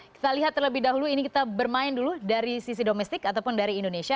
kita lihat terlebih dahulu ini kita bermain dulu dari sisi domestik ataupun dari indonesia